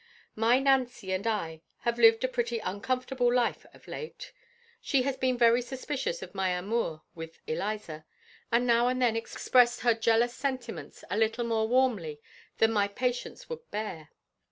My Nancy and I have lived a pretty uncomfortable life of late. She has been very suspicious of my amour with Eliza, and now and then expressed her jealous sentiments a little more warmly than my patience would bear.